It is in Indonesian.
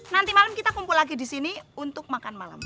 nanti malam kita kumpul lagi disini untuk makan malam